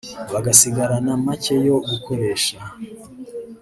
bagasigarana make yo gukoresha